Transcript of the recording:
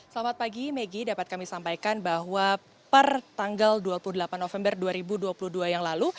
selamat pagi maggie dapat kami sampaikan bahwa per tanggal dua puluh delapan november dua ribu dua puluh dua yang lalu